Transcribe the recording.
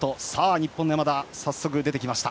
日本の山田、早速出てきた。